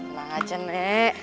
tenang aja nek